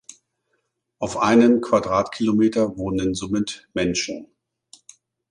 Auf einem Quadratkilometer wohnen somit Menschen.